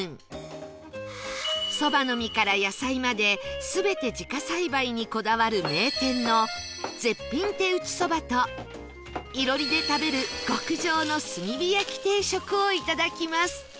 そばの実から野菜まで全て自家栽培にこだわる名店の絶品手打ちそばと囲炉裏で食べる極上の炭火焼き定食をいただきます